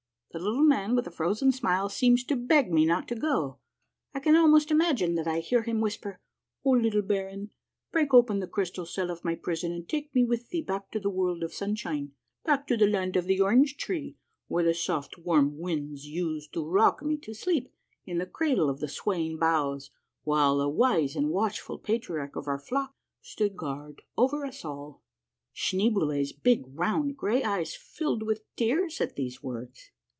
The Little Man with the Frozen Smile seems to beg me not to go. I can almost imagine that I hear him whisper :' O little baron, break open the crystal cell of my prison and take me with thee back to the world of sunshine, back to the land of the orange tree, where the soft warm winds used to rock me to sleep in the cradle of the swaying boughs, while the wise and watchful patriarch of our flock stood guard over us all.' " Schneeboule's big, round, gray eyes filled with tears at these words.